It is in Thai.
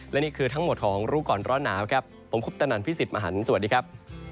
และนี่คือทั้งหมดของรู้ก่อนร้อนหนาวครับผมคุปตนันพี่สิทธิ์มหันฯสวัสดีครับ